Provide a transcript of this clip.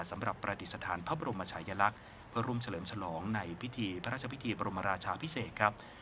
สำหรับประดิษฐานพระบรมชายลักษณ์เพื่อร่วมเฉลิมฉลองในพิธีพระราชพิธีบรมราชาพิเศษครับ